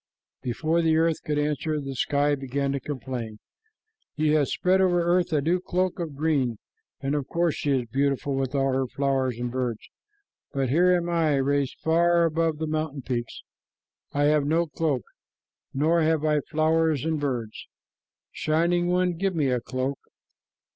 Before the earth could answer, the sky began to complain. "You have spread over earth a new cloak of green, and of course she is beautiful with all her flowers and birds, but here am I, raised far above the mountain peaks. I have no cloak, nor have I flowers and birds. Shining One, give me a cloak."